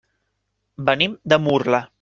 Venim de Murla.